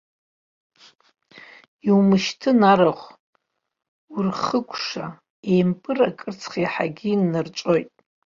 Иумышьҭын арахә, урхыкәша, еимпыр акырцх иаҳагьы иннарҵәоит!